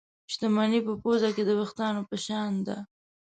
شتمني په پوزه کې د وېښتانو په شان ده.